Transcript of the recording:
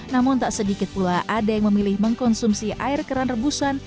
namun tak sedikit pula ada yang memilih mengkonsumsi air keran rebusan